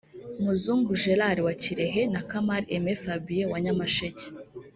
Muzungu Gerard wa Kirehe na Kamali Aimée Fabien wa Nyamasheke